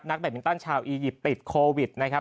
แบตมินตันชาวอียิปต์ติดโควิดนะครับ